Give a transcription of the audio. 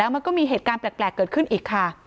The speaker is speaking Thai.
มันก็มีเหตุการณ์แปลกเกิดขึ้นอีกค่ะ